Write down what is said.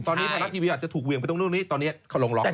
ตอนนี้ฐาลักษณ์ทีวีอาจจะถูกเวียงไปตรงนู้นตอนนี้เขาลงล็อคแล้ว